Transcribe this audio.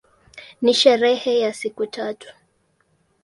Ni sherehe ya siku tatu.